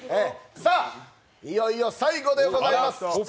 いよいよ最後でございます。